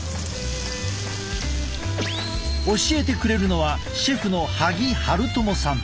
教えてくれるのはシェフの萩春朋さん。